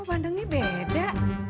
kok bandengnya beda